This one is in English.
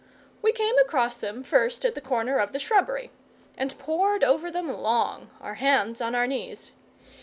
We came across them first at the corner of the shrubbery, and pored over them long, our hands on our knees.